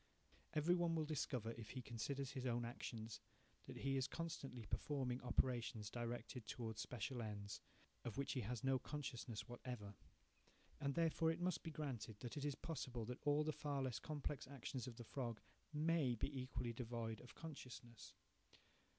Every one will discover, if he considers his own actions, that he is constantly performing operations directed towards special ends of which he has no consciousness whatever. And therefore it must be granted that it is possible that all the far less complex actions of the frog may be equally devoid of consciousness.